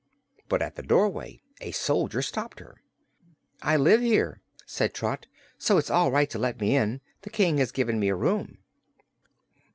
But at the doorway a soldier stopped her. "I live here," said Trot, "so it's all right to let me in. The King has given me a room."